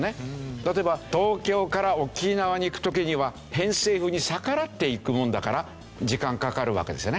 例えば東京から沖縄に行く時には偏西風に逆らって行くもんだから時間かかるわけですよね。